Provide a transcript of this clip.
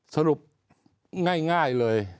สรุปง่ายเลย